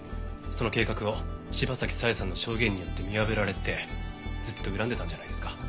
その計画を柴崎佐江さんの証言によって見破られてずっと恨んでたんじゃないですか？